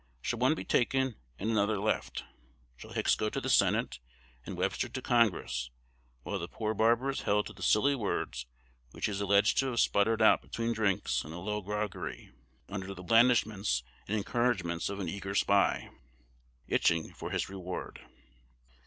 Shall one be taken, and another left? Shall Hicks go to the Senate, and Webster to Congress, while the poor barber is held to the silly words which he is alleged to have sputtered out between drinks in a low groggery, under the blandishments and encouragements of an eager spy, itching for his reward?